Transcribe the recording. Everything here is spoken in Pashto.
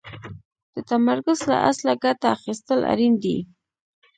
د تمرکز له اصله ګټه اخيستل اړين دي.